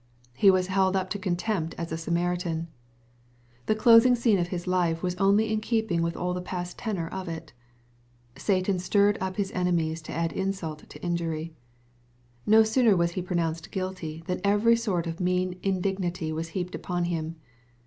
He was held up to contempt as a Samaritan. The closing scene of His life was only in keeping with all the past tenor of it. Satan stirred up his enemies to add insult to injury. No sooner was He pronounced guilty, than every sort of mean indignity was heaped upon Him.